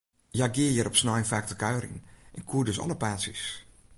Hja gie hjir op snein faak te kuierjen, en koe dus alle paadsjes.